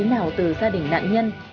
nhận bất cứ chi phí nào từ gia đình nạn nhân